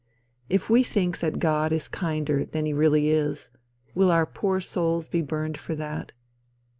If we think that God is kinder than he really is, will our poor souls be burned for that?